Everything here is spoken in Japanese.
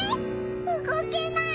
うごけない。